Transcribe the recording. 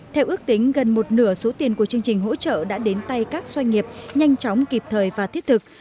theo ước tính gần một nửa số tiền của chương trình hỗ trợ đã đến tay các doanh nghiệp nhanh chóng kịp thời và thiết thực